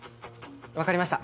分かりました。